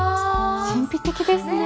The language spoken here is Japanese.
神秘的ですね。